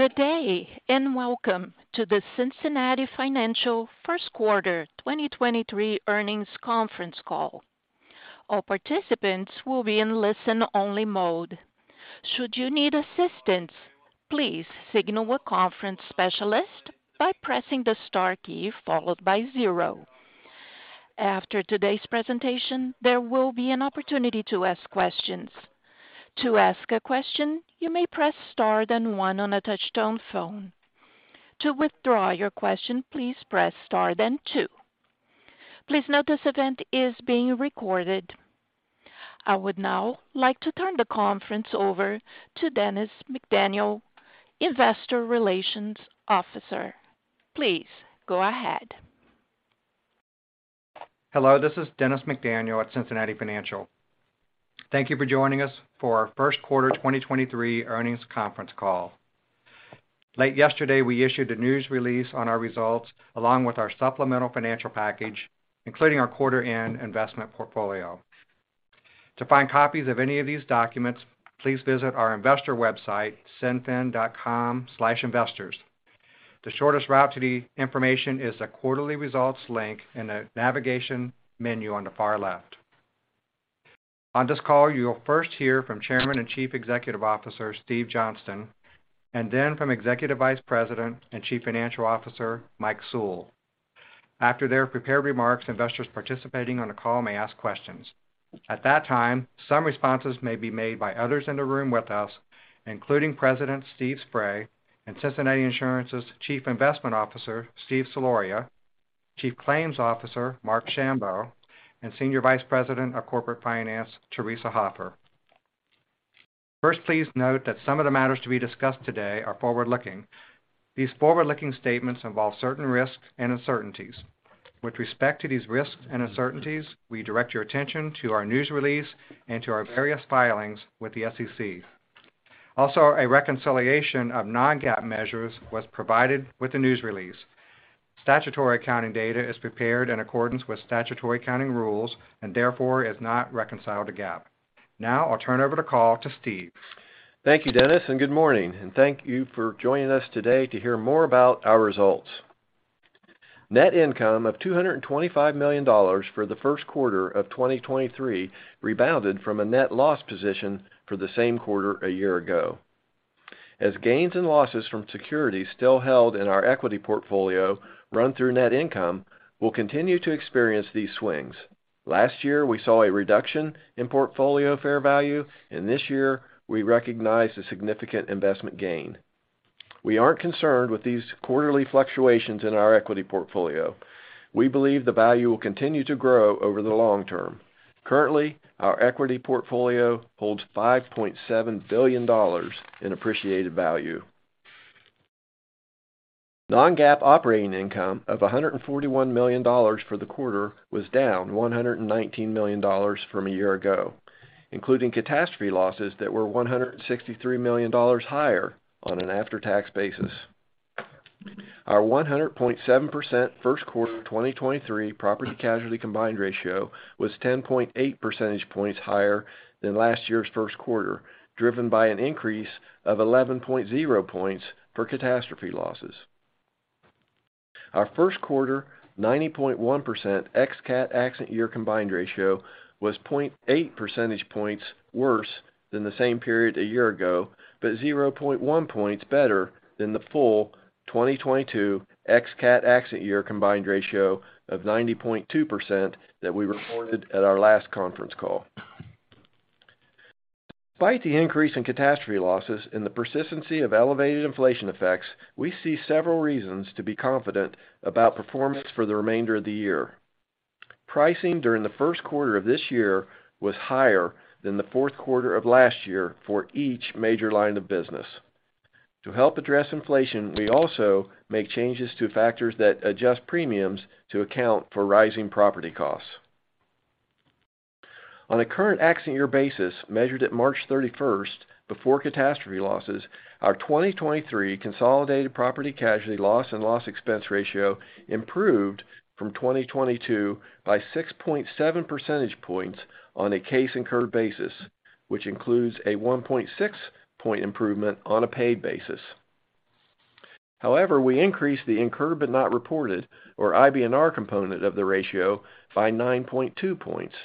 Good day, and welcome to the Cincinnati Financial First Quarter 2023 Earnings Conference Call. All participants will be in listen-only mode. Should you need assistance, please signal a conference specialist by pressing the star key followed by zero. After today's presentation, there will be an opportunity to ask questions. To ask a question, you may press Star then one on a touch-tone phone. To withdraw your question, please press star then two. Please note this event is being recorded. I would now like to turn the conference over to Dennis McDaniel, Investor Relations Officer. Please go ahead. Hello, this is Dennis McDaniel at Cincinnati Financial. Thank you for joining us for our First Quarter 2023 Earnings Conference Call. Late yesterday, we issued a news release on our results along with our supplemental financial package, including our quarter end investment portfolio. To find copies of any of these documents, please visit our investor website, cinfin.com/investors. The shortest route to the information is the Quarterly Results link in the navigation menu on the far left. On this call, you will first hear from Chairman and Chief Executive Officer, Steve Johnston, and then from Executive Vice President and Chief Financial Officer, Mike Sewell. After their prepared remarks, investors participating on the call may ask questions. At that time, some responses may be made by others in the room with us, including President Steve Spray and Cincinnati Insurance's Chief Investment Officer, Steve Soloria, Chief Claims Officer, Mark Shambo, and Senior Vice President of Corporate Finance, Theresa Hoffer. Please note that some of the matters to be discussed today are forward-looking. These forward-looking statements involve certain risks and uncertainties. With respect to these risks and uncertainties, we direct your attention to our news release and to our various filings with the SEC. A reconciliation of non-GAAP measures was provided with the news release. Statutory accounting data is prepared in accordance with statutory accounting rules and therefore is not reconciled to GAAP. I'll turn over the call to Steve. Thank you, Dennis, good morning, and thank you for joining us today to hear more about our results. Net income of $225 million for the first quarter of 2023 rebounded from a net loss position for the same quarter a year ago. As gains and losses from securities still held in our equity portfolio run through net income, we'll continue to experience these swings. Last year, we saw a reduction in portfolio fair value, this year we recognized a significant investment gain. We aren't concerned with these quarterly fluctuations in our equity portfolio. We believe the value will continue to grow over the long term. Currently, our equity portfolio holds $5.7 billion in appreciated value. Non-GAAP operating income of $141 million for the quarter was down $119 million from a year ago, including catastrophe losses that were $163 million higher on an after-tax basis. Our 100.7% first quarter of 2023 property casualty combined ratio was 10.8 percentage points higher than last year's first quarter, driven by an increase of 11.0 points for catastrophe losses. Our first quarter 90.1% ex-cat accident year combined ratio was 0.8 percentage points worse than the same period a year ago, but 0.1 points better than the full 2022 ex-cat accident year combined ratio of 90.2% that we reported at our last conference call. Despite the increase in catastrophe losses and the persistency of elevated inflation effects, we see several reasons to be confident about performance for the remainder of the year. Pricing during the first quarter of this year was higher than the fourth quarter of last year for each major line of business. To help address inflation, we also make changes to factors that adjust premiums to account for rising property costs. On a current accident year basis, measured at March 31st before catastrophe losses, our 2023 consolidated property casualty loss and loss expense ratio improved from 2022 by 6.7 percentage points on a case incurred basis, which includes a 1.6 point improvement on a paid basis. We increased the Incurred But Not Reported, or IBNR, component of the ratio by 9.2 points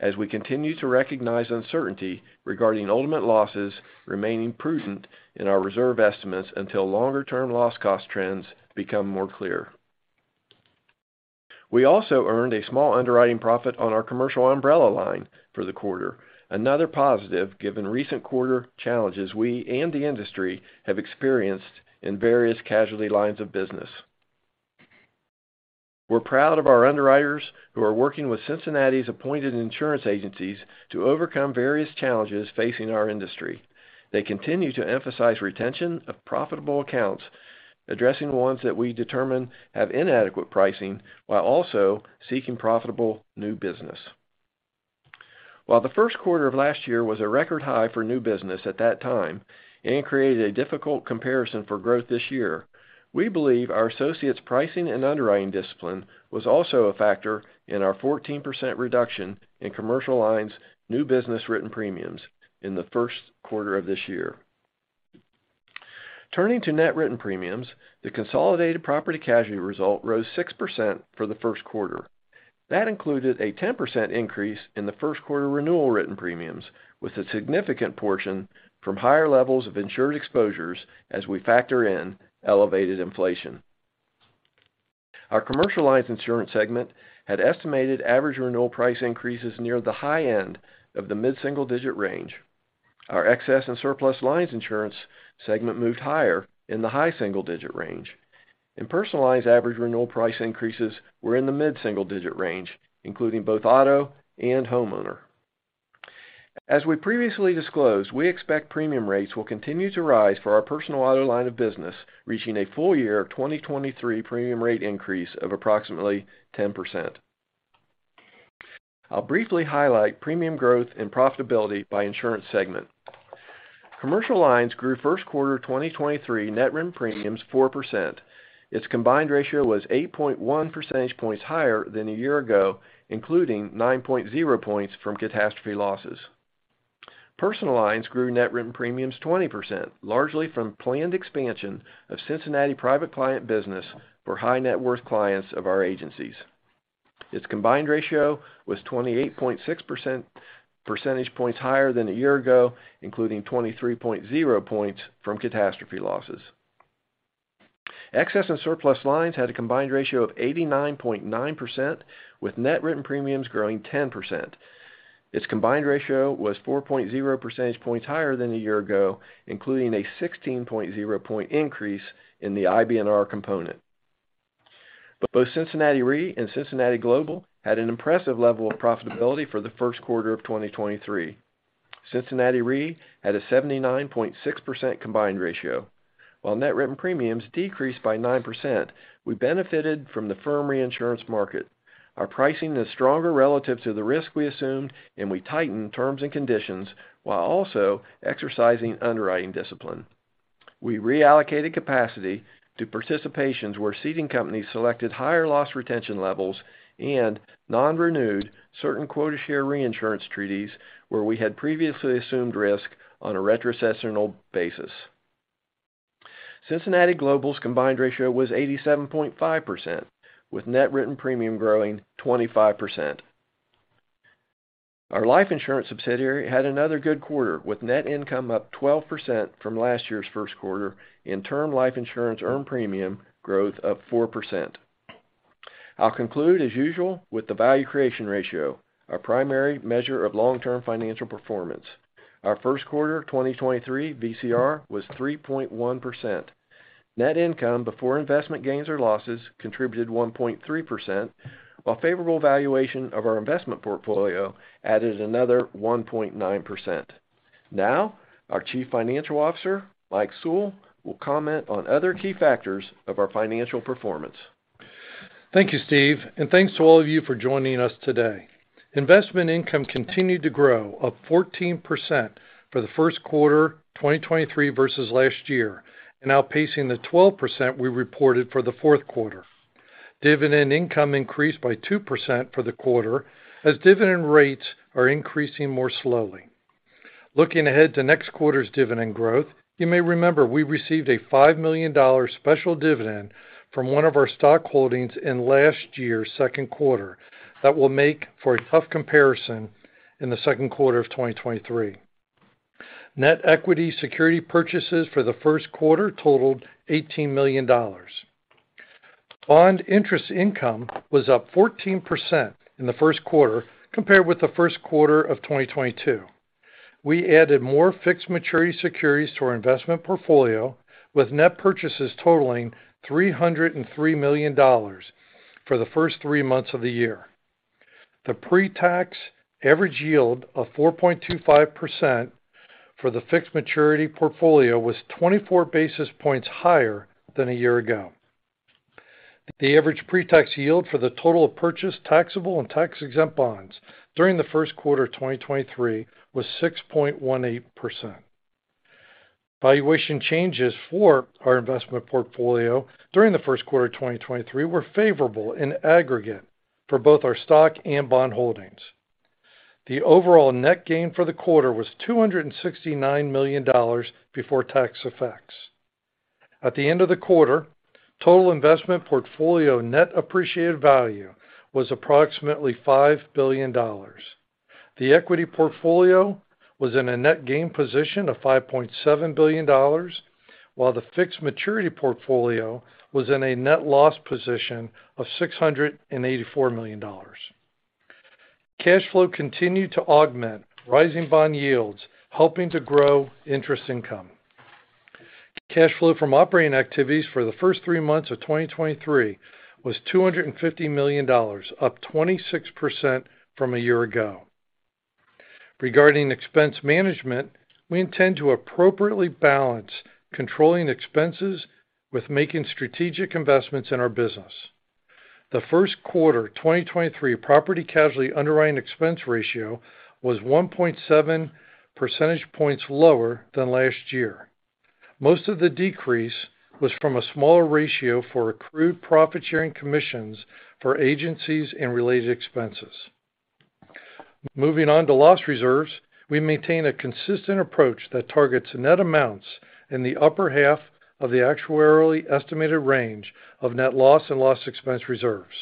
as we continue to recognize uncertainty regarding ultimate losses remaining prudent in our reserve estimates until longer-term loss cost trends become more clear. We also earned a small underwriting profit on our commercial umbrella line for the quarter, another positive given recent quarter challenges we and the industry have experienced in various casualty lines of business. We're proud of our underwriters who are working with Cincinnati's appointed insurance agencies to overcome various challenges facing our industry. They continue to emphasize retention of profitable accounts, addressing ones that we determine have inadequate pricing while also seeking profitable new business. While the first quarter of last year was a record high for new business at that time and created a difficult comparison for growth this year, we believe our associates' pricing and underwriting discipline was also a factor in our 14% reduction in commercial lines' new business written premiums in the first quarter of this year. Turning to net written premiums, the consolidated property casualty result rose 6% for the first quarter. That included a 10% increase in the first quarter renewal written premiums, with a significant portion from higher levels of insured exposures as we factor in elevated inflation. Our commercial lines insurance segment had estimated average renewal price increases near the high end of the mid-single digit range. Our excess and surplus lines insurance segment moved higher in the high single digit range. In personal lines, average renewal price increases were in the mid-single digit range, including both auto and homeowner. As we previously disclosed, we expect premium rates will continue to rise for our personal auto line of business, reaching a full year of 2023 premium rate increase of approximately 10%. I'll briefly highlight premium growth and profitability by insurance segment. Commercial lines grew first quarter 2023 net written premiums 4%. Its combined ratio was 8.1 percentage points higher than a year ago, including 9.0 points from catastrophe losses. Personal lines grew net written premiums 20%, largely from planned expansion of Cincinnati Private Client business for high net worth clients of our agencies. Its combined ratio was 28.6% percentage points higher than a year ago, including 23.0 points from catastrophe losses. Excess and surplus lines had a combined ratio of 89.9%, with net written premiums growing 10%. Its combined ratio was 4.0 percentage points higher than a year ago, including a 16.0 point increase in the IBNR component. Both Cincinnati Re and Cincinnati Global had an impressive level of profitability for the first quarter of 2023. Cincinnati Re had a 79.6% combined ratio. While net written premiums decreased by 9%, we benefited from the firm reinsurance market. Our pricing is stronger relative to the risk we assumed, and we tightened terms and conditions while also exercising underwriting discipline. We reallocated capacity to participations where ceding companies selected higher loss retention levels and non-renewed certain quota share reinsurance treaties where we had previously assumed risk on a retrocessional basis. Cincinnati Global's combined ratio was 87.5%, with net written premium growing 25%. Our life insurance subsidiary had another good quarter, with net income up 12% from last year's first quarter and term life insurance earned premium growth up 4%. I'll conclude as usual with the value creation ratio, our primary measure of long-term financial performance. Our first quarter of 2023 VCR was 3.1%. Net income before investment gains or losses contributed 1.3%, while favorable valuation of our investment portfolio added another 1.9%. Now, our Chief Financial Officer, Mike Sewell, will comment on other key factors of our financial performance. Thank you, Steve. Thanks to all of you for joining us today. Investment income continued to grow up 14% for the first quarter 2023 versus last year and outpacing the 12% we reported for the fourth quarter. Dividend income increased by 2% for the quarter as dividend rates are increasing more slowly. Looking ahead to next quarter's dividend growth, you may remember we received a $5 million special dividend from one of our stock holdings in last year's second quarter. That will make for a tough comparison in the second quarter of 2023. Net equity security purchases for the first quarter totaled $18 million. Bond interest income was up 14% in the first quarter compared with the first quarter of 2022. We added more fixed maturity securities to our investment portfolio with net purchases totaling $303 million for the first 3 months of the year. The pre-tax average yield of 4.25% for the fixed maturity portfolio was 24 basis points higher than a year ago. The average pre-tax yield for the total of purchased taxable and tax-exempt bonds during the first quarter of 2023 was 6.18%. Valuation changes for our investment portfolio during the first quarter of 2023 were favorable in aggregate for both our stock and bond holdings. The overall net gain for the quarter was $269 million before tax effects. At the end of the quarter, total investment portfolio net appreciated value was approximately $5 billion. The equity portfolio was in a net gain position of $5.7 billion, while the fixed maturity portfolio was in a net loss position of $684 million. Cash flow continued to augment, rising bond yields helping to grow interest income. Cash flow from operating activities for the first three months of 2023 was $250 million, up 26% from a year ago. Regarding expense management, we intend to appropriately balance controlling expenses with making strategic investments in our business. The first quarter 2023 property casualty underwriting expense ratio was 1.7 percentage points lower than last year. Most of the decrease was from a smaller ratio for accrued profit-sharing commissions for agencies and related expenses. Moving on to loss reserves. We maintain a consistent approach that targets net amounts in the upper half of the actuarially estimated range of net loss and loss expense reserves.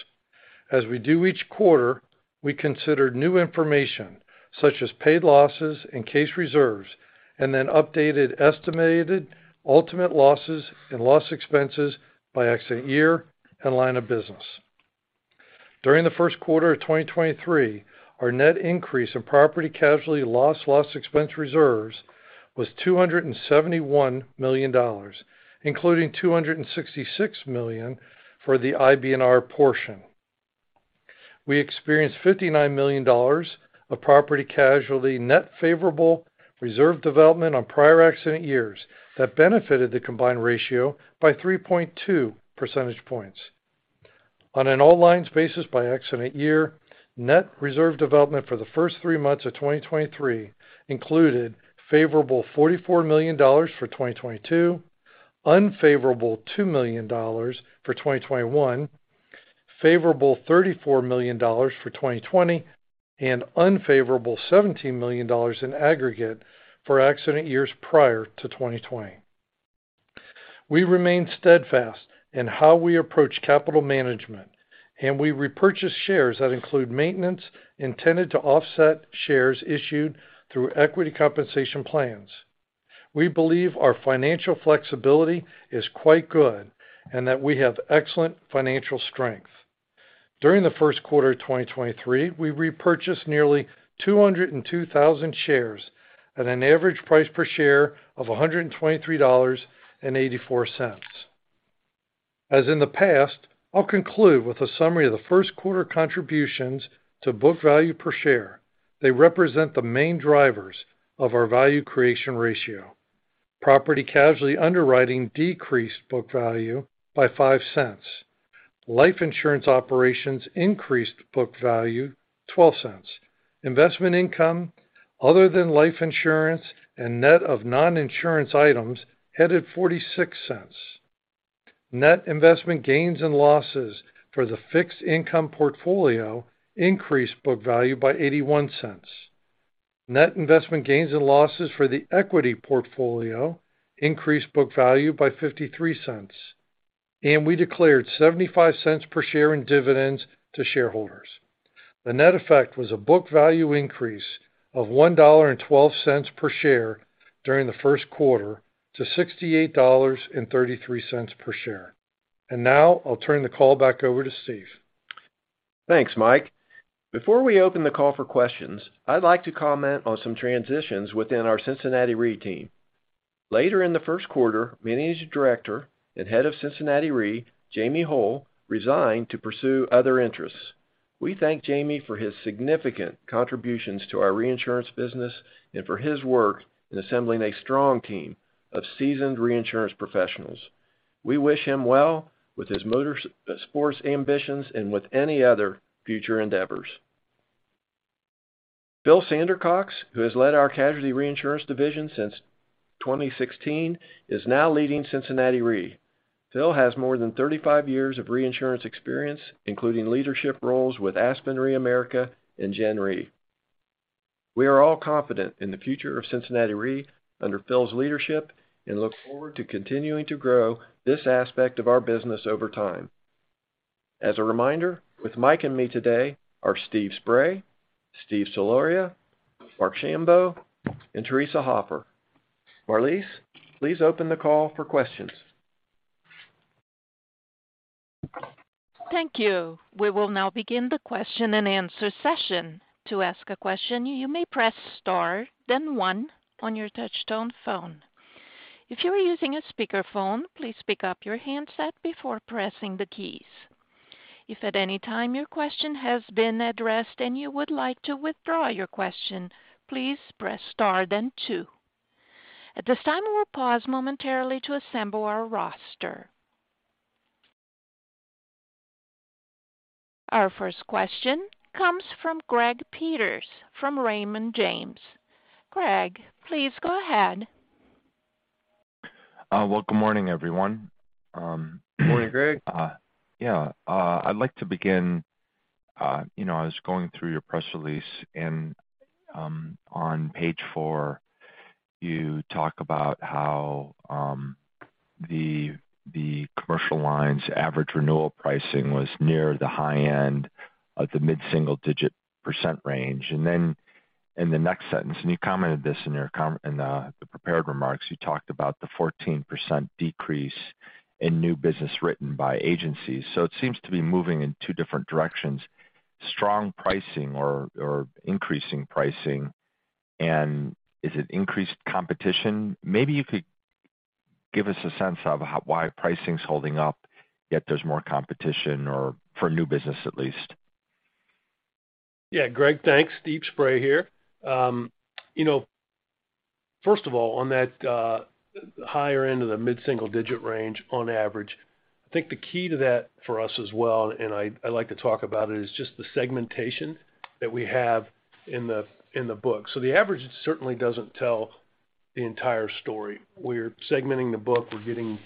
As we do each quarter, we consider new information such as paid losses and case reserves, and then updated estimated ultimate losses and loss expenses by accident year and line of business. During the first quarter of 2023, our net increase in property casualty loss expense reserves was $271 million, including $266 million for the IBNR portion. We experienced $59 million of property casualty net favorable reserve development on prior accident years that benefited the combined ratio by 3.2 percentage points. On an all lines basis by accident year, net reserve development for the first three months of 2023 included favorable $44 million for 2022, unfavorable $2 million for 2021, favorable $34 million for 2020, and unfavorable $17 million in aggregate for accident years prior to 2020. We remain steadfast in how we approach capital management, and we repurchase shares that include maintenance intended to offset shares issued through equity compensation plans. We believe our financial flexibility is quite good and that we have excellent financial strength. During the first quarter of 2023, we repurchased nearly 202,000 shares at an average price per share of $123.84. As in the past, I'll conclude with a summary of the first quarter contributions to book value per share. They represent the main drivers of our value creation ratio. Property casualty underwriting decreased book value by $0.05. Life insurance operations increased book value $0.12. Investment income other than life insurance and net of non-insurance items headed $0.46. Net investment gains and losses for the fixed income portfolio increased book value by $0.81. Net investment gains and losses for the equity portfolio increased book value by $0.53. We declared $0.75 per share in dividends to shareholders. The net effect was a book value increase of $1.12 per share during the first quarter to $68.33 per share. Now I'll turn the call back over to Steve. Thanks, Mike. Before we open the call for questions, I'd like to comment on some transitions within our Cincinnati Re team. Later in the first quarter, Managing Director and Head of Cincinnati Re, Jamie Hole, resigned to pursue other interests. We thank Jamie for his significant contributions to our reinsurance business and for his work in assembling a strong team of seasoned reinsurance professionals. We wish him well with his motorsports ambitions and with any other future endeavors. Phil Sandercox, who has led our casualty reinsurance division since 2016, is now leading Cincinnati Re. Phil has more than 35 years of reinsurance experience, including leadership roles with Aspen Re America and Gen Re. We are all confident in the future of Cincinnati Re under Phil's leadership and look forward to continuing to grow this aspect of our business over time. As a reminder, with Mike and me today are Steve Spray, Steve Soloria, Mark Shambo, and Theresa Hoffer. Marlise, please open the call for questions. Thank you. We will now begin the question-and-answer session. To ask a question, you may press star, then one on your touch-tone phone. If you are using a speakerphone, please pick up your handset before pressing the keys. If at any time your question has been addressed and you would like to withdraw your question, please press star then two. At this time, we'll pause momentarily to assemble our roster. Our first question comes from Greg Peters from Raymond James. Greg, please go ahead. Well, good morning, everyone. Good morning, Greg. Yeah, you know, I'd like to begin, I was going through your press release and on page 4, you talk about how the commercial lines average renewal pricing was near the high end of the mid-single digit % range. Then in the next sentence, and you commented this in your prepared remarks, you talked about the 14% decrease in new business written by agencies. It seems to be moving in 2 different directions. Strong pricing or increasing pricing and is it increased competition? Maybe you could give us a sense of why pricing's holding up, yet there's more competition or for new business at least. Yeah, Greg, thanks. Steve Spray here. you know, first of all, on that, higher end of the mid-single digit range on average, I think the key to that for us as well, and I like to talk about it, is just the segmentation that we have in the, in the book. The average certainly doesn't tell The entire story. We're segmenting the book. We're getting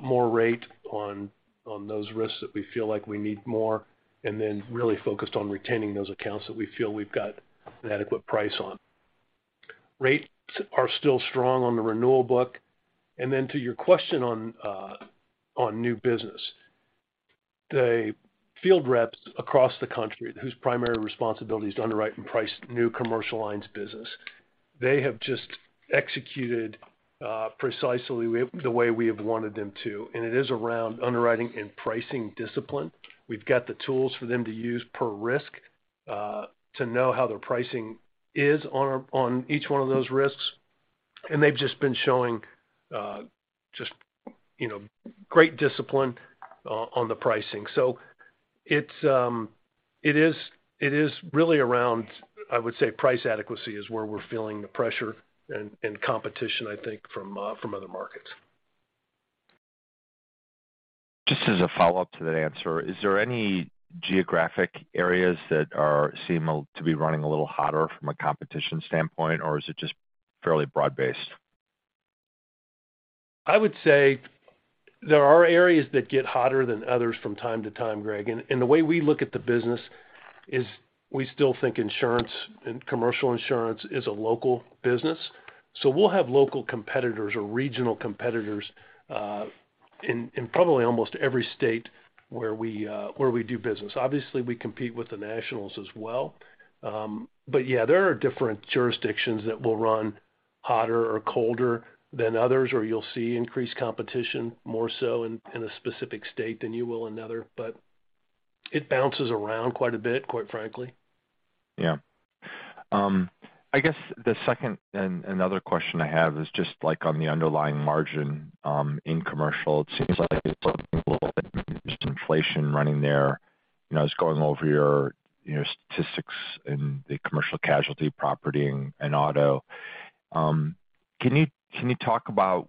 more rate on those risks that we feel like we need more, and then really focused on retaining those accounts that we feel we've got an adequate price on. Rates are still strong on the renewal book. Then to your question on new business, the field reps across the country whose primary responsibility is to underwrite and price new commercial lines business, they have just executed precisely the way we have wanted them to, and it is around underwriting and pricing discipline. We've got the tools for them to use per risk to know how their pricing is on each one of those risks. They've just been showing, you know, great discipline on the pricing. It's, it is really around, I would say price adequacy is where we're feeling the pressure and competition, I think, from other markets. Just as a follow-up to that answer, is there any geographic areas that seem to be running a little hotter from a competition standpoint, or is it just fairly broad-based? I would say there are areas that get hotter than others from time to time, Greg. The way we look at the business is we still think insurance and commercial insurance is a local business. So we'll have local competitors or regional competitors, in probably almost every state where we do business. Obviously, we compete with the nationals as well. Yeah, there are different jurisdictions that will run hotter or colder than others, or you'll see increased competition more so in a specific state than you will another. It bounces around quite a bit, quite frankly. Yeah. I guess the second and another question I have is just like on the underlying margin, in commercial, it seems like there's inflation running there. You know, I was going over your statistics in the commercial casualty property and auto. Can you talk about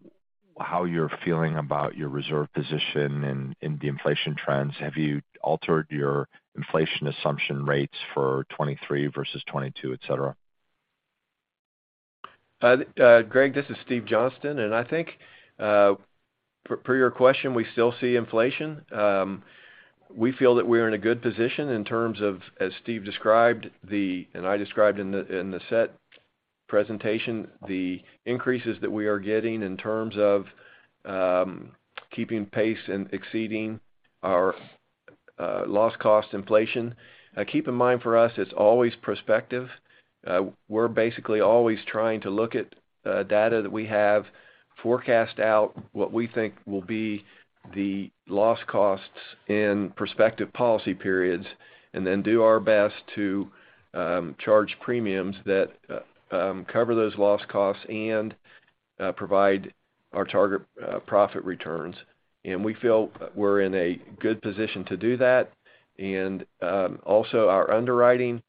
how you're feeling about your reserve position in the inflation trends? Have you altered your inflation assumption rates for 2023 versus 2022, et cetera? Greg, this is Steve Johnston. I think, per your question, we still see inflation. We feel that we're in a good position in terms of, as Steve described and I described in the set presentation, the increases that we are getting in terms of keeping pace and exceeding our loss cost inflation. Keep in mind, for us, it's always prospective. We're basically always trying to look at data that we have, forecast out what we think will be the loss costs in prospective policy periods, and then do our best to charge premiums that cover those loss costs and provide our target profit returns. We feel we're in a good position to do that. Also our underwriting,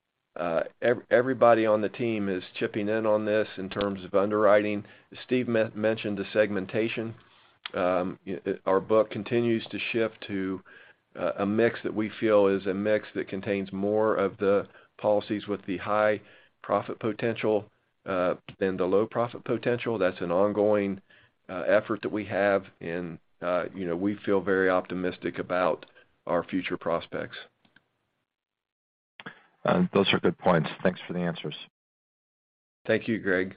everybody on the team is chipping in on this in terms of underwriting. Steve mentioned the segmentation. Our book continues to shift to a mix that we feel is a mix that contains more of the policies with the high profit potential, than the low profit potential. That's an ongoing effort that we have and, you know, we feel very optimistic about our future prospects. Those are good points. Thanks for the answers. Thank you, Greg.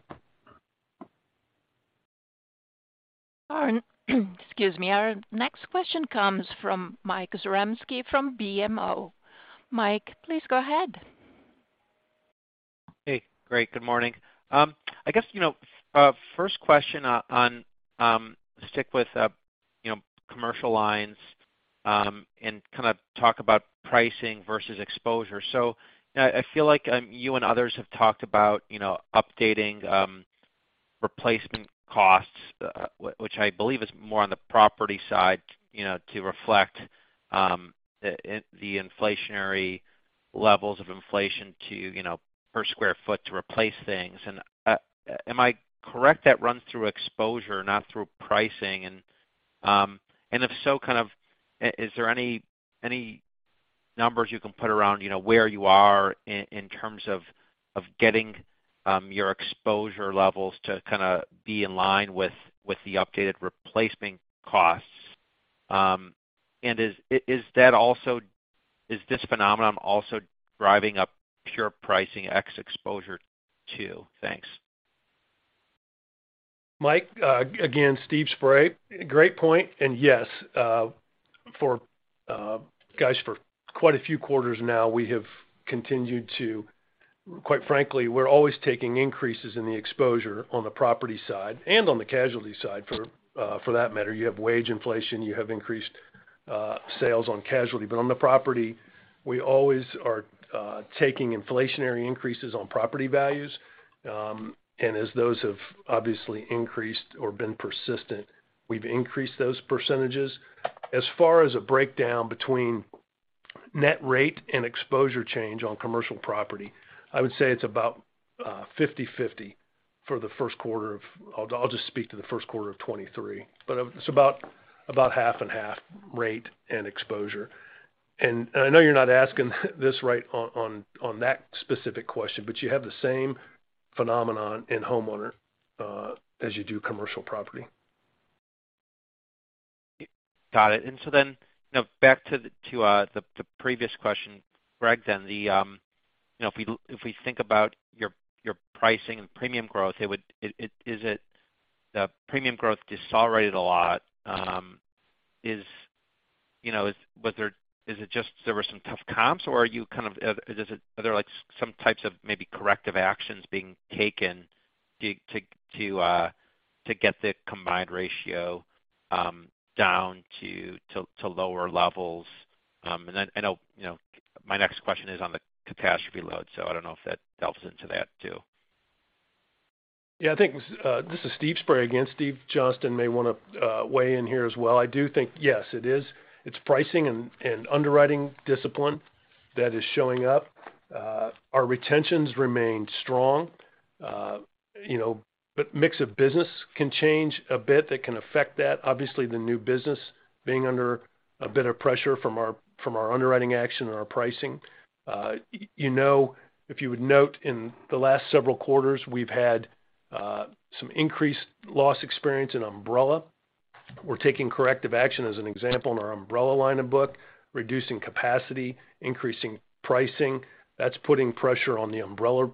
Our excuse me. Our next question comes from Mike Zaremski from BMO. Mike, please go ahead. Hey, Greg. Good morning. I guess, you know, first question on stick with, you know, commercial lines and kind of talk about pricing versus exposure. I feel like, you and others have talked about, you know, updating replacement costs, which I believe is more on the property side, you know, to reflect the inflationary levels of inflation to, you know, per square foot to replace things. Am I correct that runs through exposure, not through pricing? If so, kind of, is there any numbers you can put around, you know, where you are in terms of getting your exposure levels to kind of be in line with the updated replacement costs? Is this phenomenon also driving up pure pricing X exposure too? Thanks. Mike, again, Steve Spray. Great point. Yes, for guys, for quite a few quarters now, we have continued quite frankly, we're always taking increases in the exposure on the property side and on the casualty side for that matter. You have wage inflation, you have increased sales on casualty. On the property, we always are taking inflationary increases on property values. As those have obviously increased or been persistent, we've increased those percentages. As far as a breakdown between net rate and exposure change on commercial property, I would say it's about 50/50 for the first quarter of... I'll just speak to the first quarter of 2023, but it's about half and half rate and exposure. I know you're not asking this right on that specific question, but you have the same phenomenon in homeowner as you do commercial property. Got it. So then, you know, back to the, to the previous question, Greg, then the, you know, if we, if we think about your pricing and premium growth, is it the premium growth decelerated a lot? Is it just there were some tough comps, or are you kind of, are there, like, some types of maybe corrective actions being taken to get the combined ratio down to lower levels? I know, you know, my next question is on the catastrophe load, so I don't know if that delves into that too. I think, this is Steve Spray again. Steve Johnston may wanna weigh in here as well. I do think, yes, it is. It's pricing and underwriting discipline that is showing up. Our retentions remain strong, you know, but mix of business can change a bit. That can affect that. Obviously, the new business being under a bit of pressure from our underwriting action and our pricing. You know, if you would note in the last several quarters, we've had some increased loss experience in umbrella. We're taking corrective action, as an example, in our umbrella line of book, reducing capacity, increasing pricing. That's putting pressure on the umbrella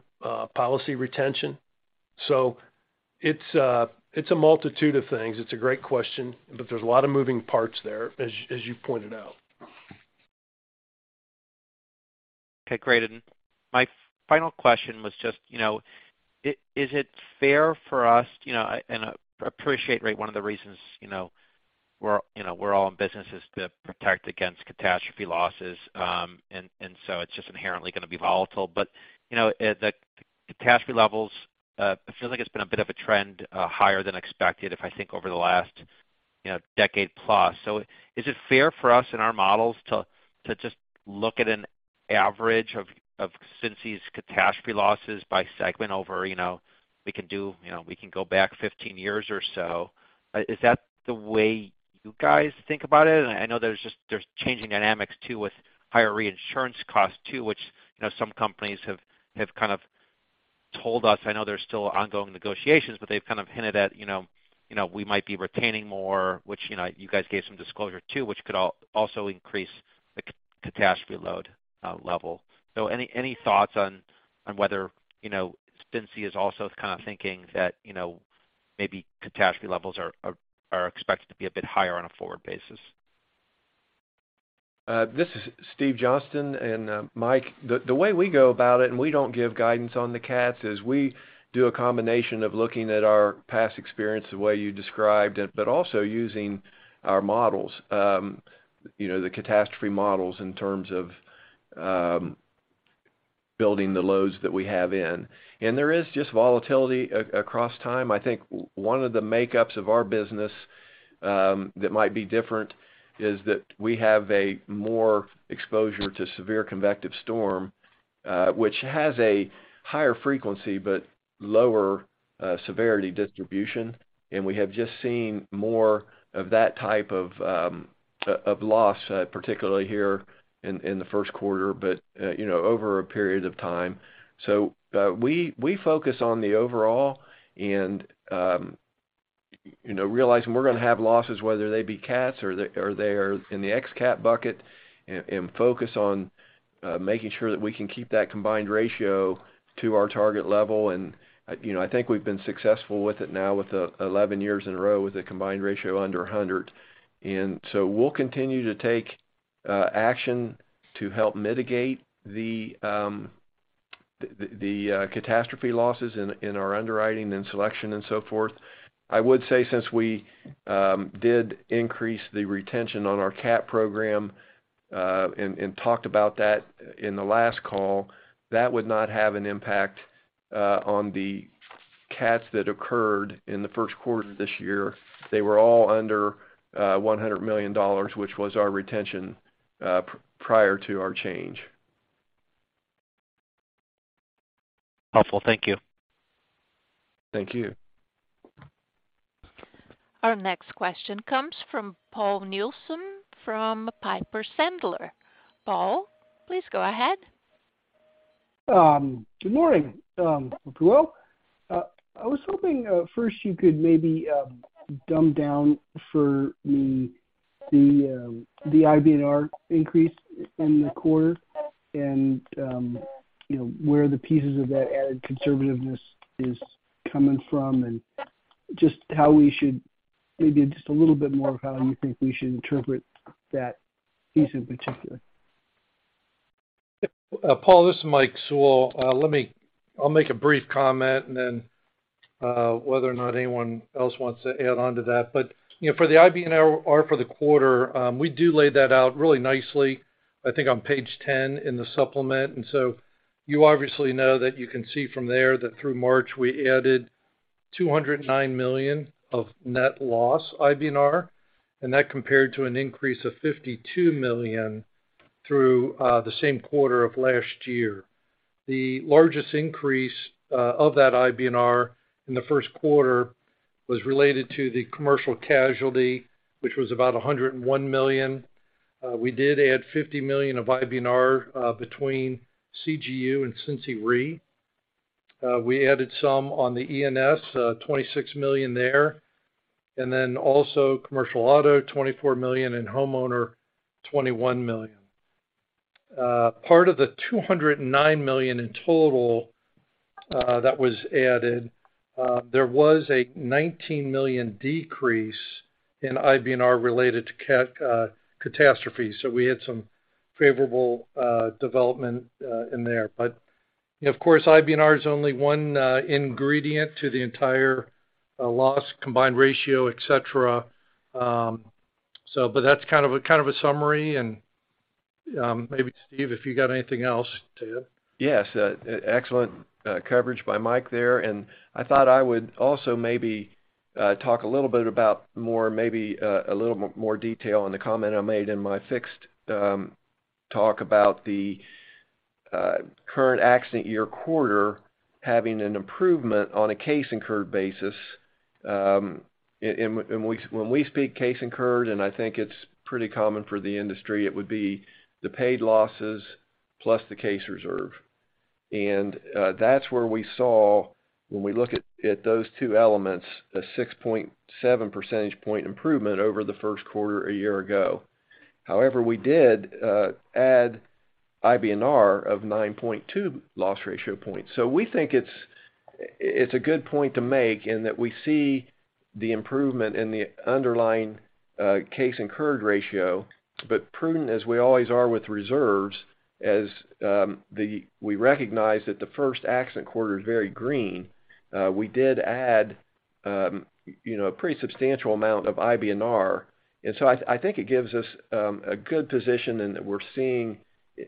policy retention. It's a multitude of things. It's a great question, but there's a lot of moving parts there as you pointed out. Okay, great. My final question was just, you know, is it fair for us, you know, and I appreciate, right, one of the reasons, you know, we're, you know, we're all in business is to protect against catastrophe losses, and so it's just inherently gonna be volatile. You know, the catastrophe levels, I feel like it's been a bit of a trend, higher than expected if I think over the last, you know, decade plus. Is it fair for us in our models to just look at an average of Cinci's catastrophe losses by segment over, you know, we can do, you know, we can go back 15 years or so? Is that the way you guys think about it? I know there's changing dynamics too with higher reinsurance costs too, which, you know, some companies have kind of told us, I know there's still ongoing negotiations, but they've kind of hinted at, you know, we might be retaining more, which, you know, you guys gave some disclosure too, which could also increase the catastrophe load level. Any thoughts on whether, you know, Cinci is also kind of thinking that, you know, maybe catastrophe levels are expected to be a bit higher on a forward basis? This is Steve Johnston. Mike, the way we go about it, and we don't give guidance on the cats, is we do a combination of looking at our past experience the way you described it, but also using our models, you know, the catastrophe models in terms of building the loads that we have in. There is just volatility across time. I think one of the makeups of our business that might be different is that we have a more exposure to severe convective storm, which has a higher frequency but lower severity distribution, and we have just seen more of that type of loss, particularly here in the first quarter, but, you know, over a period of time. We focus on the overall and, you know, realizing we're gonna have losses, whether they be cats or they are in the ex-cat bucket and focus on making sure that we can keep that combined ratio to our target level. You know, I think we've been successful with it now with 11 years in a row with a combined ratio under 100. We'll continue to take action to help mitigate the catastrophe losses in our underwriting and selection and so forth. I would say, since we did increase the retention on our cat program and talked about that in the last call, that would not have an impact on the cats that occurred in the first quarter this year. They were all under $100 million, which was our retention prior to our change. Helpful. Thank you. Thank you. Our next question comes from Paul Newsome from Piper Sandler. Paul, please go ahead. Good morning, Sewell. I was hoping, first you could maybe, dumb down for me the IBNR increase in the quarter and, you know, where the pieces of that added conservativeness is coming from and just how we should maybe just a little bit more of how you think we should interpret that piece in particular? Paul, this is Mike Sewell. I'll make a brief comment and then whether or not anyone else wants to add on to that. You know, for the IBNR for the quarter, we do lay that out really nicely, I think on page 10 in the supplement. You obviously know that you can see from there that through March, we added $209 million of net loss IBNR, and that compared to an increase of $52 million through the same quarter of last year. The largest increase of that IBNR in the first quarter was related to the commercial casualty, which was about $101 million. We did add $50 million of IBNR between CGU and Cincinnati Re. We added some on the E&S, $26 million there. Also commercial auto, $24 million, and homeowner, $21 million. Part of the $209 million in total that was added, there was a $19 million decrease in IBNR related to catastrophe. We had some favorable development in there. Of course, IBNR is only one ingredient to the entire loss combined ratio, et cetera. That's kind of a summary, and maybe Steve, if you got anything else to add. Yes, excellent coverage by Mike there. I thought I would also maybe talk a little bit about more, maybe, a little more detail on the comment I made in my fixed talk about the current accident year quarter having an improvement on a case incurred basis. When we speak case incurred, and I think it's pretty common for the industry, it would be the paid losses plus the case reserve. That's where we saw when we look at those two elements, a 6.7 percentage point improvement over the first quarter a year ago. However, we did add IBNR of 9.2 loss ratio points. We think it's a good point to make in that we see the improvement in the underlying case incurred ratio. Prudent as we always are with reserves, as we recognize that the first accident quarter is very green, we did add, you know, a pretty substantial amount of IBNR. I think it gives us a good position in that we're seeing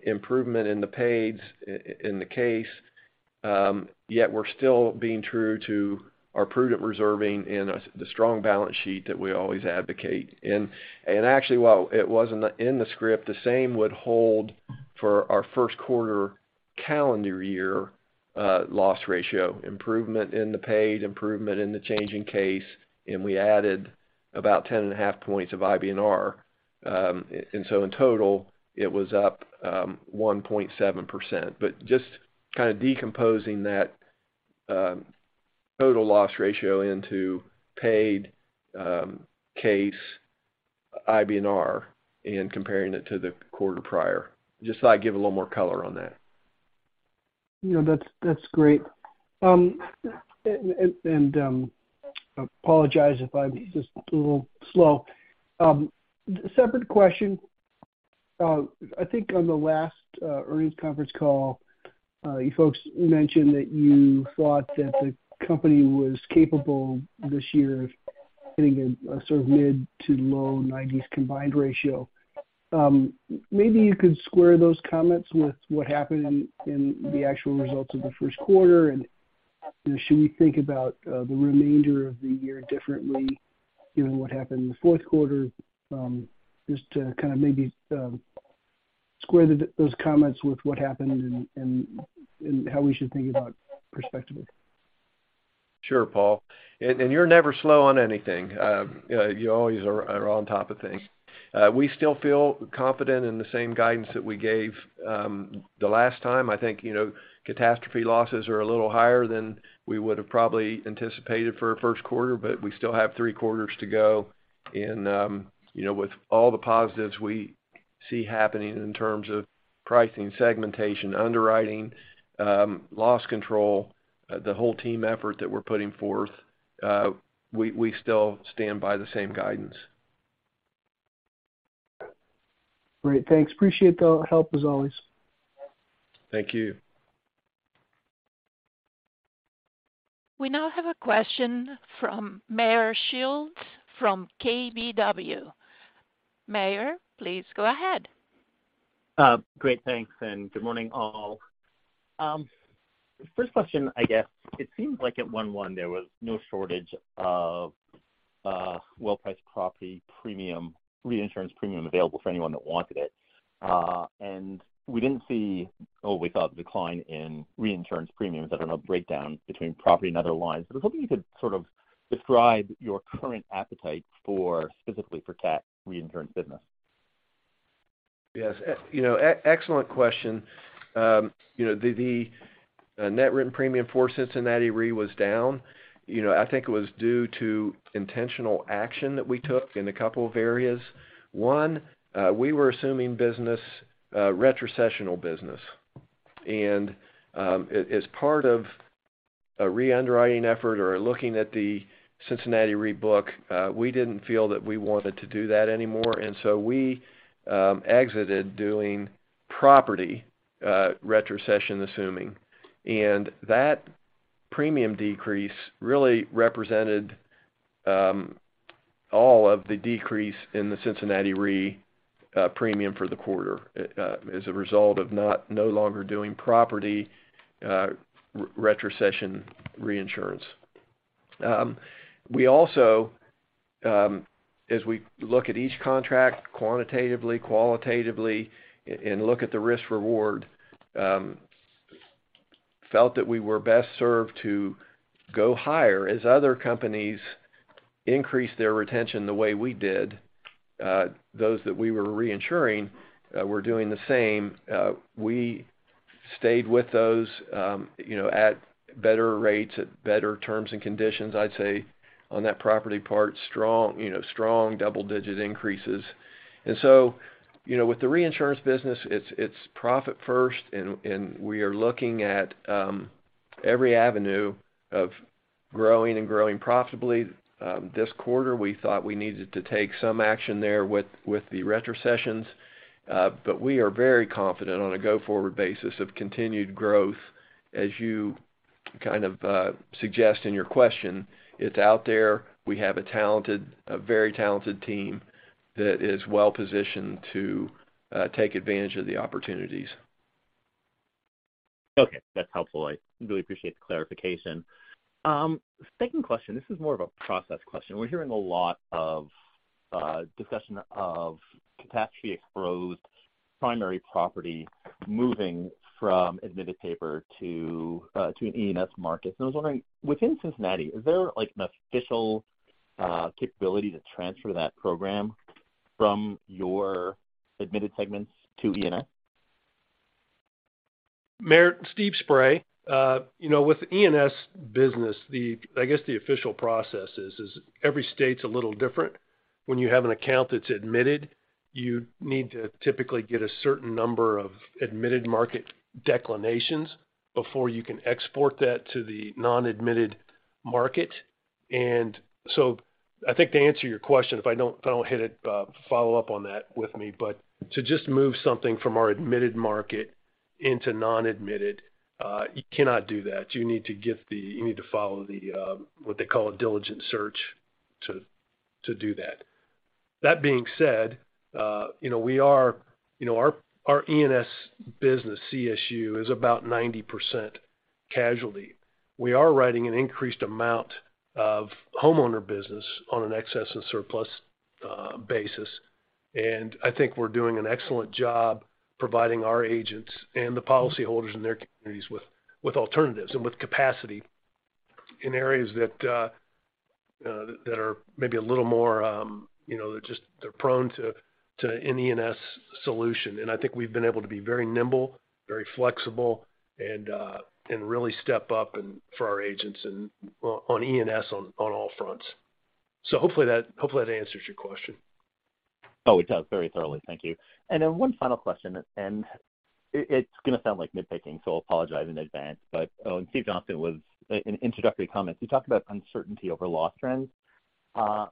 improvement in the paid, in the case, yet we're still being true to our prudent reserving and the strong balance sheet that we always advocate. Actually, while it wasn't in the script, the same would hold for our first quarter calendar year, loss ratio improvement in the paid, improvement in the changing case, and we added about 10.5 points of IBNR. In total, it was up 1.7%. Just kind of decomposing that, total loss ratio into paid, case IBNR and comparing it to the quarter prior. Just thought I'd give a little more color on that. You know, that's great. apologize if I'm just a little slow. Separate question. I think on the last earnings conference call, you folks mentioned that you thought that the company was capable this year of hitting a sort of mid to low 90s combined ratio. Maybe you could square those comments with what happened in the actual results of the first quarter. You know, should we think about the remainder of the year differently given what happened in the fourth quarter? Just to kind of maybe square those comments with what happened and how we should think about perspective. Sure, Paul. You're never slow on anything. You always are on top of things. We still feel confident in the same guidance that we gave the last time. I think, you know, catastrophe losses are a little higher than we would have probably anticipated for a first quarter, but we still have three quarters to go. You know, with all the positives we see happening in terms of pricing, segmentation, underwriting, loss control, the whole team effort that we're putting forth, we still stand by the same guidance. Great. Thanks. Appreciate the help, as always. Thank you. We now have a question from Meyer Shields from KBW. Meyer, please go ahead. Great. Thanks, good morning, all. First question, I guess it seems like at 1/1, there was no shortage of well priced reinsurance premium available for anyone that wanted it. We didn't see what we thought the decline in reinsurance premiums. I don't know, breakdown between property and other lines, but I was hoping you could sort of describe your current appetite for specifically for cat reinsurance business. Yes. You know, excellent question. You know, the net written premium for Cincinnati Re was down. You know, I think it was due to intentional action that we took in a couple of areas. One, we were assuming business, retrocessional business. As part of a re-underwriting effort or looking at the Cincinnati Re book, we didn't feel that we wanted to do that anymore. So we exited doing property, retrocession assuming. That premium decrease really represented all of the decrease in the Cincinnati Re premium for the quarter as a result of no longer doing property retrocession reinsurance. We also, as we look at each contract quantitatively, qualitatively and look at the risk reward, felt that we were best served to go higher as other companies increased their retention the way we did, those that we were reinsuring were doing the same. We stayed with those, you know, at better rates, at better terms and conditions, I'd say on that property part, strong, you know, strong double-digit increases. You know, with the reinsurance business, it's profit first and we are looking at every avenue of growing and growing profitably. This quarter, we thought we needed to take some action there with the retrocessions. We are very confident on a go-forward basis of continued growth. As you kind of, suggest in your question, it's out there. We have a very talented team that is well positioned to, take advantage of the opportunities. Okay. That's helpful. I really appreciate the clarification. Second question, this is more of a process question. We're hearing a lot of discussion of capacity-exposed primary property moving from admitted paper to an E&S market. I was wondering, within Cincinnati, is there, like, an official capability to transfer that program from your admitted segments to E&S? Meyer Shields, Steve Spray. You know, with E&S business, I guess the official process is every state's a little different. When you have an account that's admitted, you need to typically get a certain number of admitted market declinations before you can export that to the non-admitted market. I think to answer your question, if I don't hit it, follow up on that with me, but to just move something from our admitted market into non-admitted, you cannot do that. You need to follow the, what they call a diligent search to do that. That being said, you know, we are, you know, our E&S business CSU is about 90% casualty. We are writing an increased amount of homeowner business on an excess and surplus basis. I think we're doing an excellent job providing our agents and the policyholders in their communities with alternatives and with capacity in areas that are maybe a little more, you know, they're prone to an E&S solution. I think we've been able to be very nimble, very flexible and really step up and for our agents on E&S on all fronts. Hopefully that answers your question. Oh, it does very thoroughly. Thank you. One final question, it's gonna sound like nitpicking, so I'll apologize in advance. When Steve Johnston in introductory comments, you talked about uncertainty over loss trends. I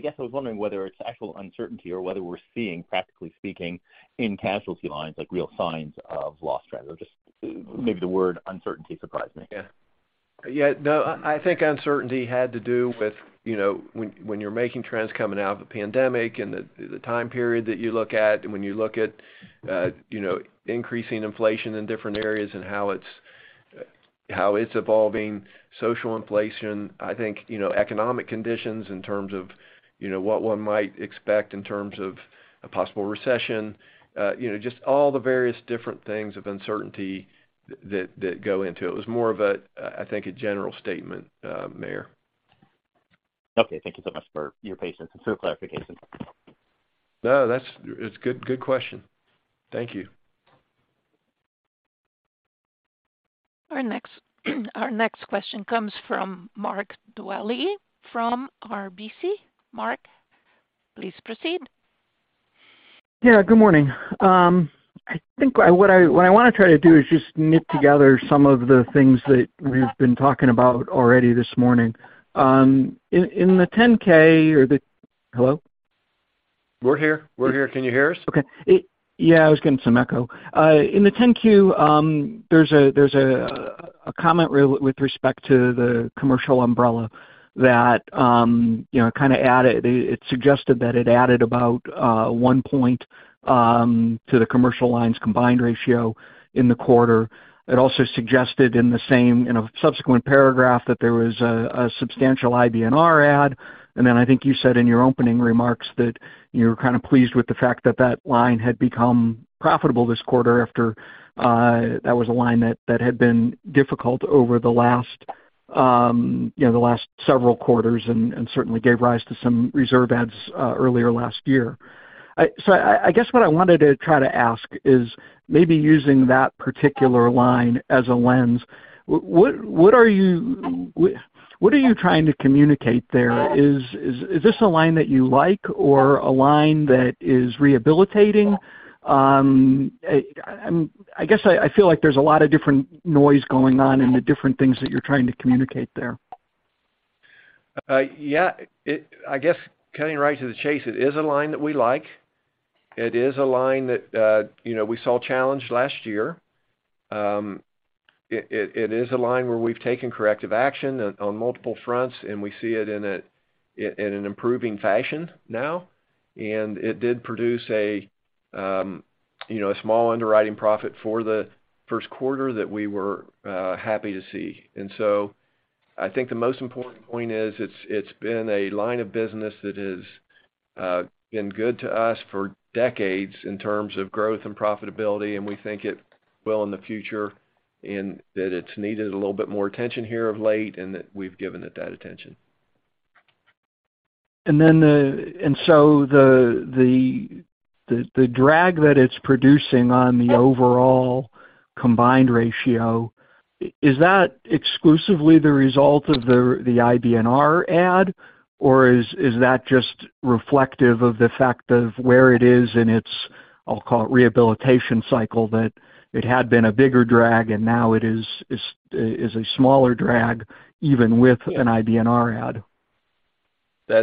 guess I was wondering whether it's actual uncertainty or whether we're seeing, practically speaking, in casualty lines, like real signs of loss trends or just maybe the word uncertainty surprised me. Yeah. No, I think uncertainty had to do with, you know, when you're making trends coming out of the pandemic and the time period that you look at, and when you look at, you know, increasing inflation in different areas and how it's evolving social inflation, I think, you know, economic conditions in terms of, you know, what one might expect in terms of a possible recession, you know, just all the various different things of uncertainty that go into it. It was more of a, I think, a general statement, Meyer Shields. Thank you so much for your patience and for the clarification. No, It's good question. Thank you. Our next question comes from Mark Dwelle from RBC. Mark, please proceed. Yeah, good morning. I think what I wanna try to do is just knit together some of the things that we've been talking about already this morning. In the 10-K or the Hello? We're here. We're here. Can you hear us? Okay. Yeah, I was getting some echo. In the 10-Q, there's a comment with respect to the commercial umbrella that, you know, it suggested that it added about 1 point to the commercial lines combined ratio in the quarter. It also suggested in the same, in a subsequent paragraph that there was a substantial IBNR add. I think you said in your opening remarks that you're kind of pleased with the fact that that line had become profitable this quarter after that was a line that had been difficult over the last, you know, the last several quarters and certainly gave rise to some reserve adds earlier last year. I guess what I wanted to try to ask is maybe using that particular line as a lens, what are you trying to communicate there? Is this a line that you like or a line that is rehabilitating? I guess I feel like there's a lot of different noise going on in the different things that you're trying to communicate there. Yeah. I guess cutting right to the chase, it is a line that we like. It is a line that, you know, we saw challenged last year. It is a line where we've taken corrective action on multiple fronts, and we see it in an improving fashion now, and it did produce a, you know, a small underwriting profit for the first quarter that we were happy to see. I think the most important point is it's been a line of business that has been good to us for decades in terms of growth and profitability, and we think it will in the future, and that it's needed a little bit more attention here of late, and that we've given it that attention. The drag that it's producing on the overall combined ratio, is that exclusively the result of the IBNR add, or is that just reflective of the fact of where it is in its, I'll call it rehabilitation cycle that it had been a bigger drag and now it is a smaller drag even with an IBNR add?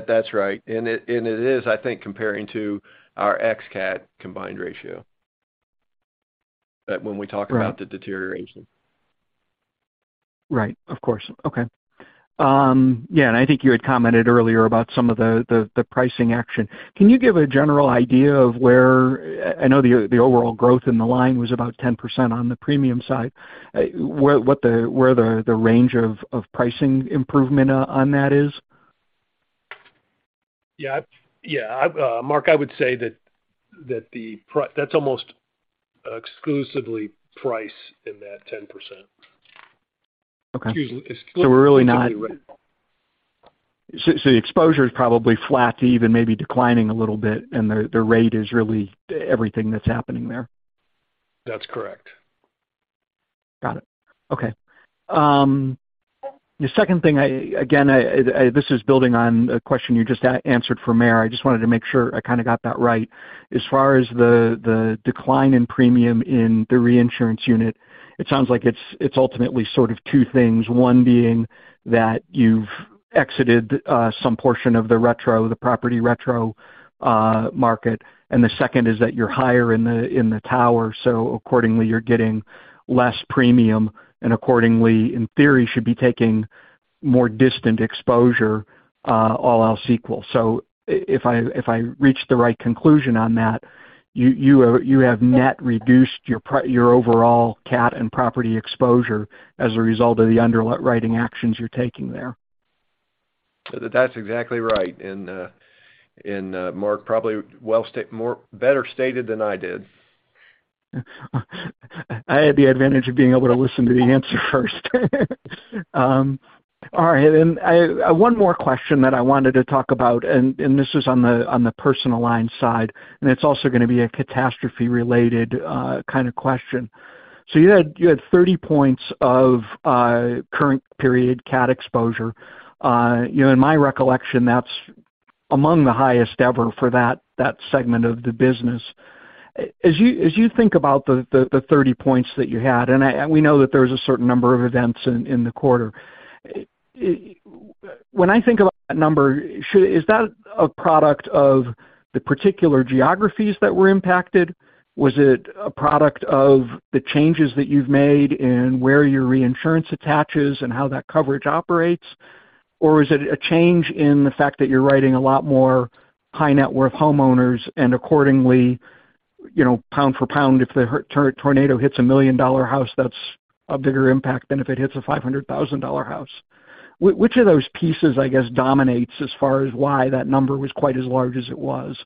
That's right. It is, I think, comparing to our ex-CAT combined ratio, when we talk about the deterioration. Right. Of course. Okay. I think you had commented earlier about some of the pricing action. Can you give a general idea of where, I know the overall growth in the line was about 10% on the premium side. Where the range of pricing improvement on that is? Yeah. Yeah. Mark, I would say that that's almost exclusively price in that 10%. Okay. Excuse me. Exposure is probably flat to even maybe declining a little bit, and the rate is really everything that's happening there. That's correct. Got it. Okay. The second thing again, this is building on a question you just answered for Meyer. I just wanted to make sure I kinda got that right. As far as the decline in premium in the reinsurance unit, it sounds like it's ultimately sort of two things. One being that you've exited some portion of the retro, the property retro market, and the second is that you're higher in the tower, so accordingly, you're getting less premium, and accordingly, in theory, should be taking more distant exposure, all else equal. If I reached the right conclusion on that, you have net reduced your overall CAT and property exposure as a result of the underwriting actions you're taking there. That's exactly right. Mark, probably better stated than I did. I had the advantage of being able to listen to the answer first. All right. One more question that I wanted to talk about, and this is on the personal line side, and it's also gonna be a catastrophe related, kind of question. You had 30 points of current period CAT exposure. You know, in my recollection, that's among the highest ever for that segment of the business. As you think about the 30 points that you had, and we know that there's a certain number of events in the quarter. When I think about that number, is that a product of the particular geographies that were impacted? Was it a product of the changes that you've made in where your reinsurance attaches and how that coverage operates? Is it a change in the fact that you're writing a lot more high net worth homeowners and accordingly, you know, pound for pound, if the tornado hits a $1 million house, that's a bigger impact than if it hits a $500,000 house? Which of those pieces, I guess, dominates as far as why that number was quite as large as it was?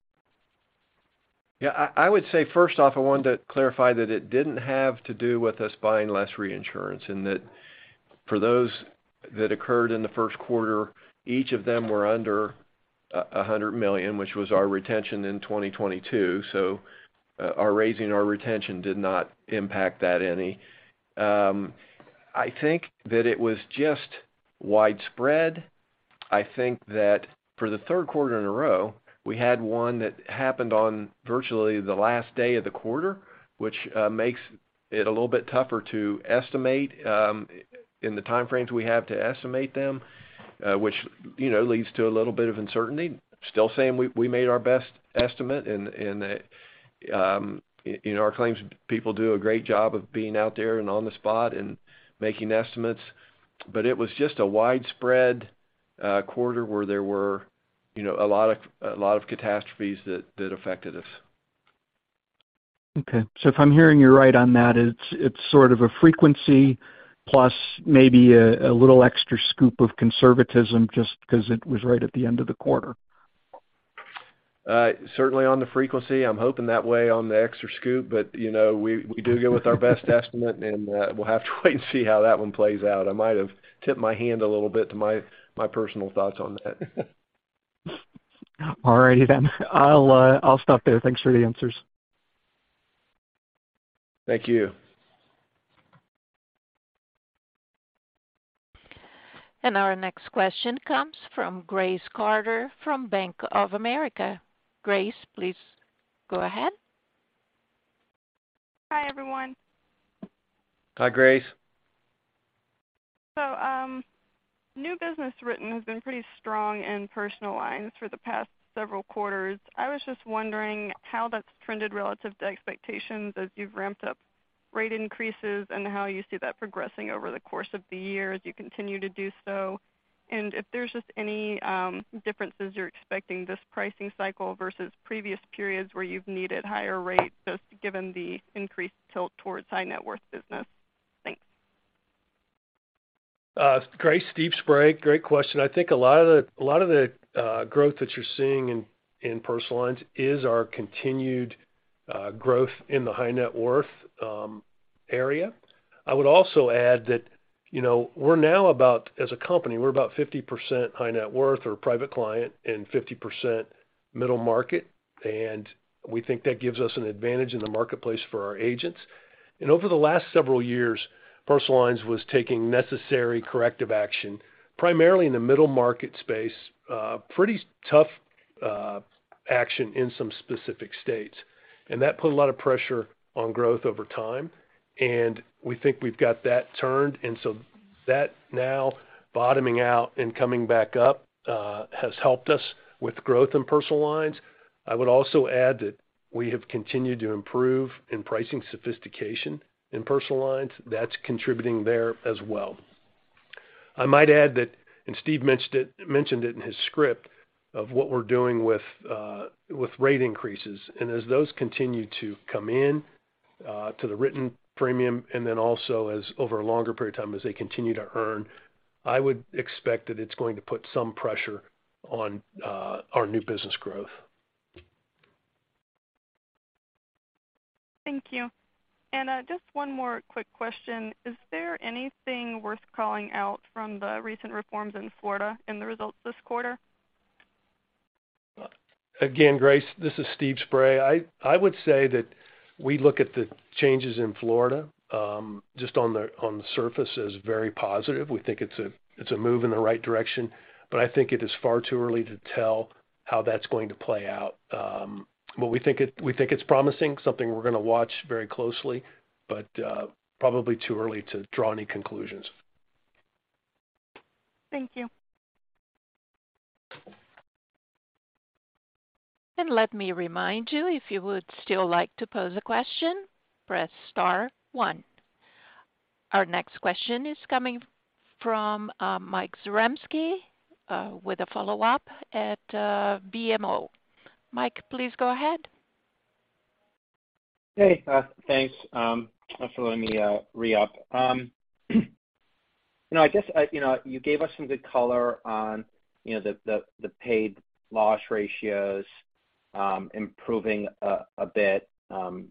I would say first off, I wanted to clarify that it didn't have to do with us buying less reinsurance and that for those that occurred in the first quarter, each of them were under $100 million, which was our retention in 2022. Our raising our retention did not impact that any. I think that it was just widespread. I think that for the third quarter in a row, we had one that happened on virtually the last day of the quarter, which makes it a little bit tougher to estimate, in the time frames we have to estimate them, which, you know, leads to a little bit of uncertainty. Still saying we made our best estimate and our claims people do a great job of being out there and on the spot and making estimates. It was just a widespread quarter where there were, you know, a lot of catastrophes that affected us. If I'm hearing you right on that, it's sort of a frequency plus maybe a little extra scoop of conservatism just because it was right at the end of the quarter. Certainly on the frequency. I'm hoping that way on the extra scoop. You know, we do go with our best estimate, and we'll have to wait and see how that one plays out. I might have tipped my hand a little bit to my personal thoughts on that. All righty. I'll stop there. Thanks for the answers. Thank you. Our next question comes from Grace Carter from Bank of America. Grace, please go ahead. Hi, everyone. Hi, Grace. New business written has been pretty strong in personal lines for the past several quarters. I was just wondering how that's trended relative to expectations as you've ramped up rate increases and how you see that progressing over the course of the year as you continue to do so. If there's just any differences you're expecting this pricing cycle versus previous periods where you've needed higher rates, just given the increased tilt towards high-net-worth business. Thanks. Grace, Steve Spray. Great question. I think a lot of the growth that you're seeing in personal lines is our continued growth in the high net worth area. I would also add that, you know, we're now about, as a company, we're about 50% high net worth or Private Client and 50% middle market, and we think that gives us an advantage in the marketplace for our agents. Over the last several years, personal lines was taking necessary corrective action, primarily in the middle market space, pretty tough action in some specific states. That put a lot of pressure on growth over time, and we think we've got that turned. So that now bottoming out and coming back up, has helped us with growth in personal lines. I would also add that we have continued to improve in pricing sophistication in personal lines. That's contributing there as well. I might add that, and Steve mentioned it in his script, of what we're doing with rate increases. As those continue to come in to the written premium, and then also as over a longer period of time, as they continue to earn, I would expect that it's going to put some pressure on our new business growth. Thank you. Just one more quick question. Is there anything worth calling out from the recent reforms in Florida in the results this quarter? Grace, this is Steve Spray. I would say that we look at the changes in Florida, just on the surface, as very positive. We think it's a move in the right direction, but I think it is far too early to tell how that's going to play out. But we think it, we think it's promising, something we're gonna watch very closely, but probably too early to draw any conclusions. Thank you. Let me remind you, if you would still like to pose a question, press star one. Our next question is coming from Mike Zaremski with a follow-up at BMO. Mike, please go ahead. Hey, thanks for letting me re-up. You know, I guess, you know, you gave us some good color on, you know, the paid loss ratios improving a bit,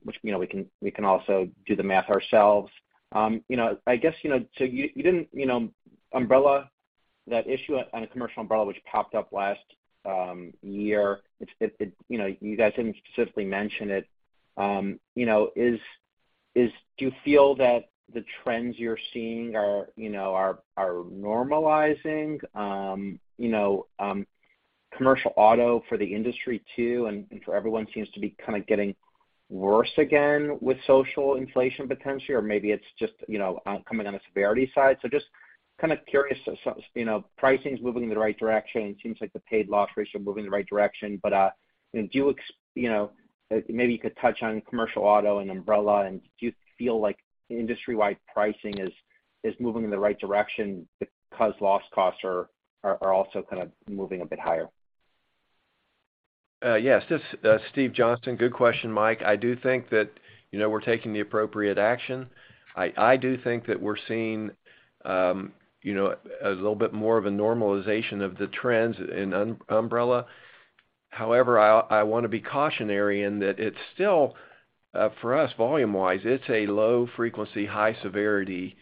which, you know, we can also do the math ourselves. You know, I guess, you know, so you didn't, you know, umbrella that issue on a commercial umbrella, which popped up last year. It, you know, you guys didn't specifically mention it. You know, is, do you feel that the trends you're seeing are, you know, are normalizing? You know, commercial auto for the industry too, and for everyone seems to be kind of getting worse again with social inflation potentially or maybe it's just, you know, coming on the severity side. Just kind of curious, you know, pricing is moving in the right direction. It seems like the paid loss ratio moving in the right direction. Do you know, maybe you could touch on commercial auto and umbrella, and do you feel like industry-wide pricing is moving in the right direction because loss costs are also kind of moving a bit higher? Yes. This, Steve Johnston. Good question, Mike. I do think that, you know, we're taking the appropriate action. I do think that we're seeing, you know, a little bit more of a normalization of the trends in umbrella. I wanna be cautionary in that it's still, for us, volume-wise, it's a low frequency, high severity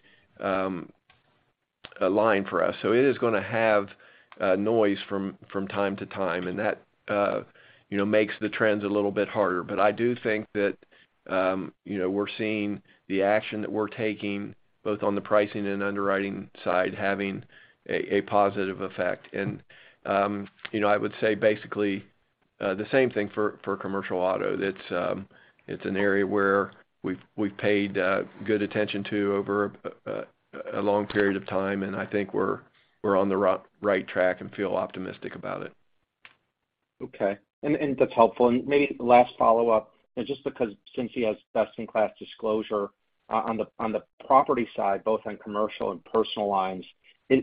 line for us. It is gonna have noise from time to time, and that, you know, makes the trends a little bit harder. I do think that, you know, we're seeing the action that we're taking both on the pricing and underwriting side having a positive effect. I would say basically, the same thing for commercial auto. It's an area where we've paid good attention to over a long period of time, and I think we're on the right track and feel optimistic about it. Okay. That's helpful. Maybe last follow-up, and just because Cincinnati has best in class disclosure, on the property side, both on commercial and personal lines, is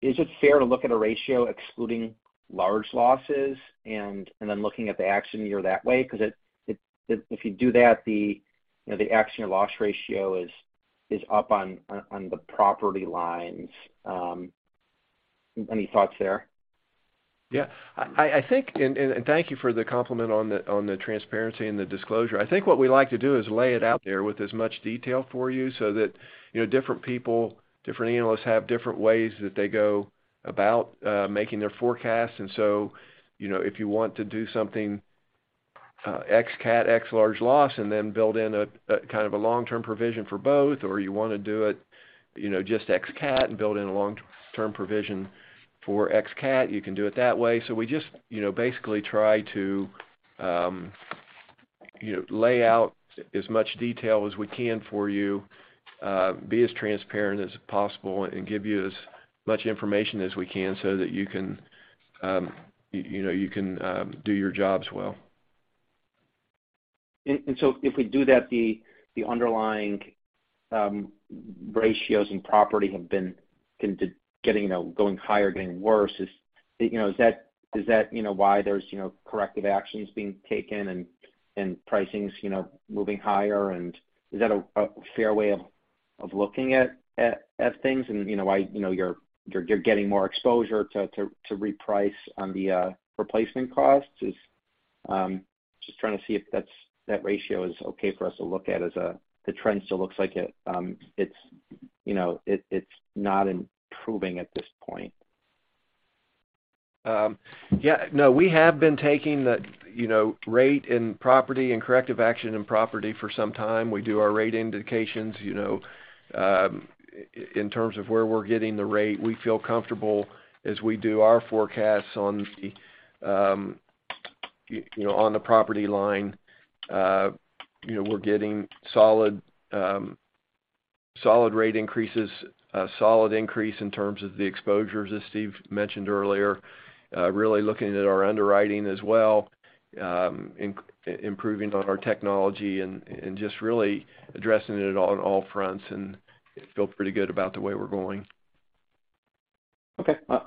it fair to look at a ratio excluding large losses and then looking at the accident year that way? It, if you do that, the, you know, the accident year loss ratio is up on the property lines. Any thoughts there? Yeah. I think, and thank you for the compliment on the transparency and the disclosure. I think what we like to do is lay it out there with as much detail for you so that, you know, different people, different analysts have different ways that they go about making their forecasts. If you want to do something, ex-cat, ex large loss and then build in a kind of a long-term provision for both, or you wanna do it, you know, just ex-cat and build in a long-term provision for ex-cat, you can do it that way. We just, you know, basically try to, you know, lay out as much detail as we can for you, be as transparent as possible and give you as Much information as we can so that you can, you know, you can do your jobs well. If we do that, the underlying ratios and property have been getting, you know, going higher, getting worse. Is, you know, is that, you know, why there's, you know, corrective actions being taken and pricings, you know, moving higher? Is that a fair way of looking at things? You know why, you're getting more exposure to reprice on the replacement costs? Just trying to see if that's, that ratio is okay for us to look at as the trend still looks like it's, you know, not improving at this point. Yeah. No, we have been taking the, you know, rate and property and corrective action and property for some time. We do our rate indications, you know, in terms of where we're getting the rate. We feel comfortable as we do our forecasts on the, you know, on the property line. You know, we're getting solid rate increases, a solid increase in terms of the exposures, as Steve mentioned earlier. Really looking at our underwriting as well, improving on our technology and just really addressing it at all fronts and feel pretty good about the way we're going.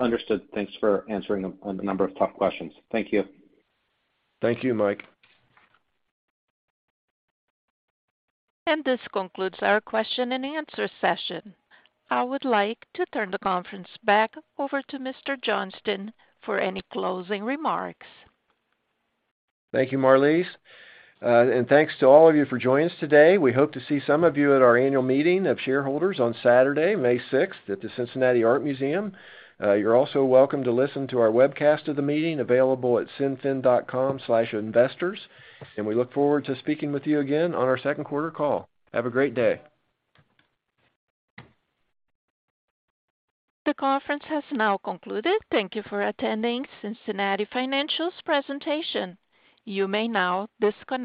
Understood. Thanks for answering a number of tough questions. Thank you. Thank you, Mike. This concludes our question and answer session. I would like to turn the conference back over to Mr. Johnston for any closing remarks. Thank you, Marlise. Thanks to all of you for joining us today. We hope to see some of you at our annual meeting of shareholders on Saturday, May sixth, at the Cincinnati Art Museum. You're also welcome to listen to our webcast of the meeting available at cinfin.com/investors. We look forward to speaking with you again on our second quarter call. Have a great day. The conference has now concluded. Thank you for attending Cincinnati Financial's presentation. You may now disconnect.